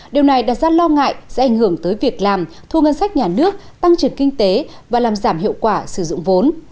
điều này đặt ra lo ngại sẽ ảnh hưởng tới việc làm thu ngân sách nhà nước tăng trưởng kinh tế và làm giảm hiệu quả sử dụng vốn